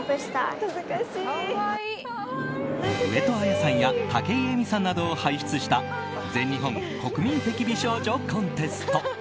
上戸彩さんや武井咲さんなどを輩出した全日本国民的美少女コンテスト。